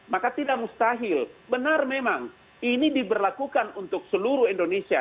maka tidak mustahil benar memang ini diberlakukan untuk seluruh indonesia